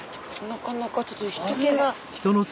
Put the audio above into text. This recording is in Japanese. なかなかちょっと人けが。